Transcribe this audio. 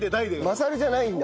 まさるじゃないんだ。